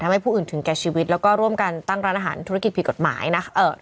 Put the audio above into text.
ให้ผู้อื่นถึงแก่ชีวิตแล้วก็ร่วมกันตั้งร้านอาหารธุรกิจผิดกฎหมายนะเอ่อ